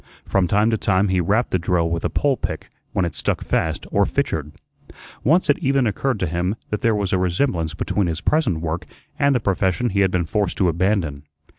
From time to time he rapped the drill with a pole pick when it stuck fast or fitchered. Once it even occurred to him that there was a resemblance between his present work and the profession he had been forced to abandon.